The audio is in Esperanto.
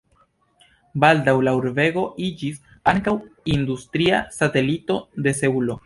Baldaŭ la urbego iĝis ankaŭ industria satelito de Seulo.